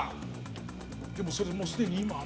でもそれもうすでに今。